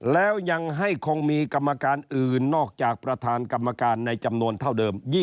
แล้วยังให้คงมีกรรมการอื่นนอกจากประธานกรรมการในจำนวนเท่าเดิม